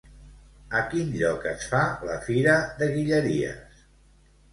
A quin lloc es fa la "Fira de Guilleries"?